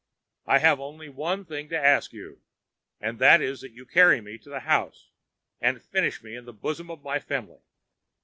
I have only one thing to ask of you, and that is that you carry me to the house and finish me in the bosom of my family.'